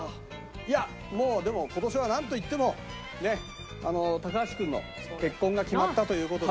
いやもうでも今年はなんといってもね高橋君の結婚が決まったという事で。